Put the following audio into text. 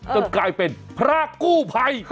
กลายเป็นพระกู้ภัย